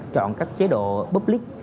chọn các chế độ public